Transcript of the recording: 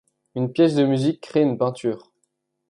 Une pièce de musique crée une peinture.